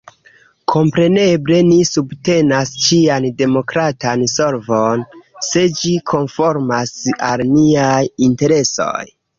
Kompreneble ni subtenas ĉian demokratan solvon, se ĝi konformas al niaj interesoj.